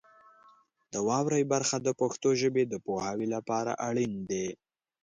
د واورئ برخه د پښتو ژبې د پوهاوي لپاره اړین دی.